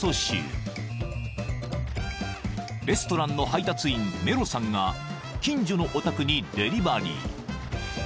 ［レストランの配達員メロさんが近所のお宅にデリバリー］